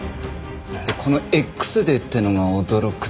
この「Ｘデー」っていうのが驚くなかれ。